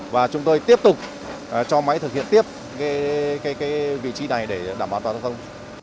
và chúng tôi tiếp tục cho máy thực hiện tiếp vị trí này để đảm bảo toàn giao thông